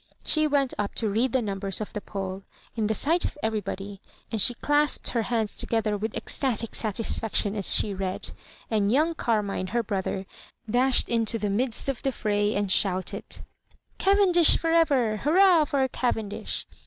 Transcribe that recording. She went up to read the numbers of the poll — ^in the sight of everybody; and she clasped her hands together with ecstatic satisfaction as she read; and young Carmine, her brother, dashed into the midst of the fray, and shouted " Cavendish for ever I hurrah for Cavendish